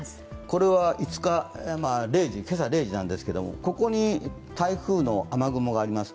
これは今朝０時なんですけどここに台風の雨雲があります。